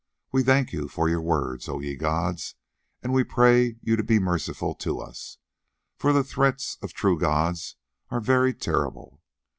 We thank you for your words, O ye gods, and we pray you to be merciful to us, for the threats of true gods are very terrible.